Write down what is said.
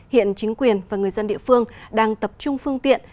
hiện chính quyền và người dân địa phương đang tập trung phương tiện